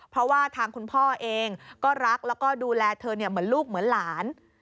เพราะว่าทางคุณพ่อเองก็รักแล้วก็ดูแลเธอเหมือนลูกเหมือนหลาน